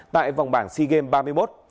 tại vòng bảng sea games ba mươi một